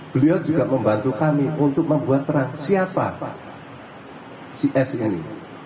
beliau juga membantu kami untuk membuat terang siapa si s ini